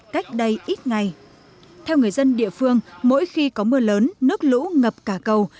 cách đây ít ngày theo người dân địa phương mỗi khi có mưa lớn nước lũ ngập cả cầu